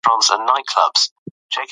افغانستان په یورانیم غني دی.